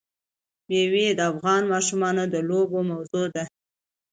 مېوې د افغان ماشومانو د لوبو موضوع ده.